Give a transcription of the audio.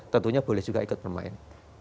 tentunya boleh juga ikut bermain